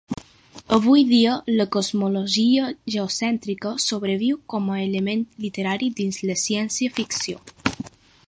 Avui dia, la cosmologia geocèntrica sobreviu com a element literari dins la ciència-ficció.